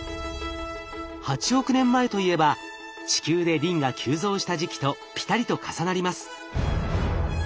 ８億年前といえば地球でリンが急増した時期とピタリと重なります。